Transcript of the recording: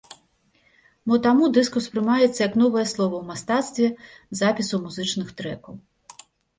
Мо таму дыск успрымаецца як новае слова ў мастацтве запісу музычных трэкаў.